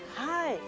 はい。